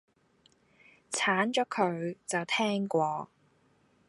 鏟咗佢，就聽過